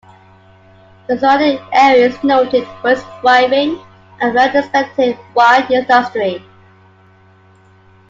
The surrounding area is noted for its thriving and well-respected wine industry.